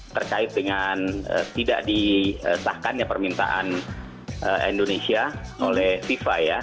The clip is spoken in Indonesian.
terkait dengan tidak disahkan permintaan indonesia oleh fifa